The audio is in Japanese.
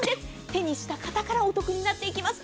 手にした方からお得になっていきます。